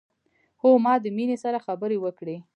هو ما د مينې سره خبرې وکړې